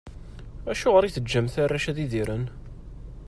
Acuɣer i teǧǧamt arrac ad idiren?